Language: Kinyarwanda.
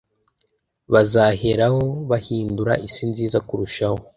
bazaheraho bahindura isi nziza kurushaho